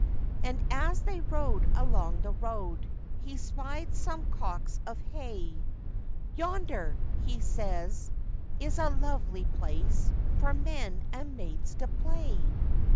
And as they rode along the road, He spied some cocks of hay; 'Yonder,' he says, 'is a lovely place For men and maids to play!